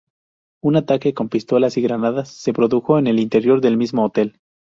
Un ataque con pistolas y granadas se produjo en el interior del mismo hotel.